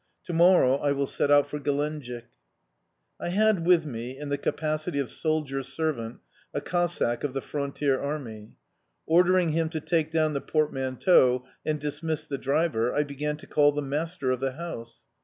"To morrow I will set out for Gelenjik." I had with me, in the capacity of soldier servant, a Cossack of the frontier army. Ordering him to take down the portmanteau and dismiss the driver, I began to call the master of the house.